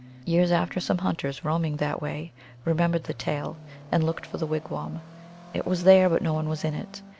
Years after some hunters, roaming that way, re membered the tale, and looked for the wigwam. It was there, but no one was in it.